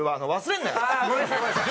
ああごめんなさい。